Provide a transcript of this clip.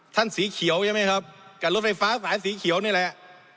สีเขียวใช่ไหมครับกับรถไฟฟ้าสายสีเขียวนี่แหละ